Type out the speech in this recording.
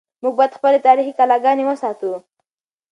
موږ باید خپلې تاریخي کلاګانې وساتو.